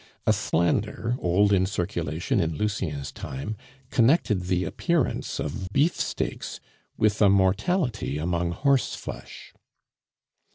A slander, old in circulation in Lucien's time, connected the appearance of beef steaks with a mortality among horseflesh.